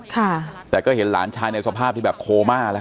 ค่ะแต่ก็เห็นหลานชายในสภาพที่แบบโคม่าแล้ว